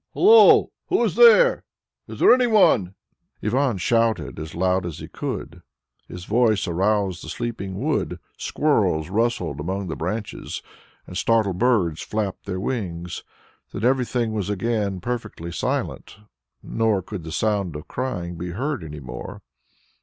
"Hullo! Who is there? Is there any one?" Ivan shouted as loud as he could. His voice aroused the sleeping wood; squirrels rustled among the branches, and startled birds flapped their wings. Then everything was again perfectly silent, nor could the sound of crying be heard any more.